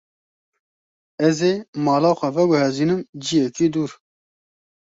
Ez ê mala xwe veguhezînim ciyekî dûr.